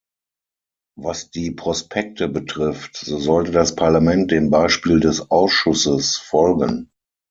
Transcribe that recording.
Was die Prospekte betrifft, so sollte das Parlament dem Beispiel des Ausschusses folgen.